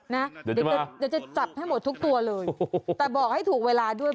เดี๋ยวจะจับให้หมดทุกตัวเลยแต่บอกให้ถูกเวลาด้วย